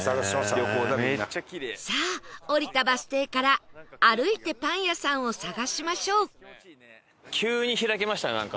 さあ降りたバス停から歩いてパン屋さんを探しましょう